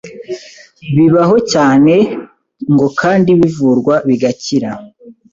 bibaho cyane ngo kandi bivurwa bigakira.